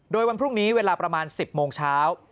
โดยวันพรุ่งนี้เวลาประมาณ๑๐โมงเช้า